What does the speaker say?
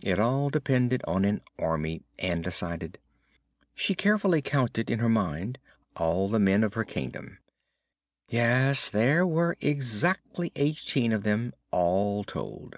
It all depended on an Army, Ann decided. She carefully counted in her mind all the men of her kingdom. Yes; there were exactly eighteen of them, all told.